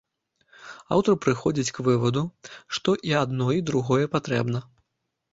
Аўтар прыходзіць к вываду, што і адно і другое патрэбна.